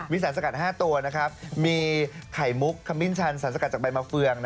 มีศัลสกัด๕ตัวนะครับมีไขมุกคำยิ่งชาญศัลสกัดจากใบเมาะเฟือง